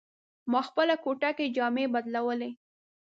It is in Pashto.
ما خپله کوټه کې جامې بدلولې.